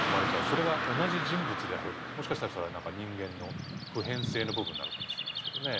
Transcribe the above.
それが同じ人物であるもしかしたらそれは何か人間の普遍性の部分なのかもしれないですけどね。